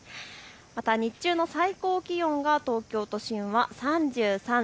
日中の最高気温が東京都心は３３．６度。